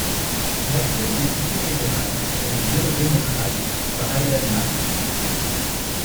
L'actuel député fédéral est le néo-démocrate Brian Masse.